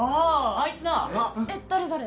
あいつなえっ誰誰？